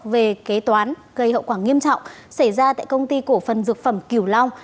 về kế toán gây hậu quả nghiêm trọng xảy ra tại công ty cổ phần dược phẩm kiều long